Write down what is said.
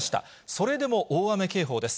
それでも大雨警報です。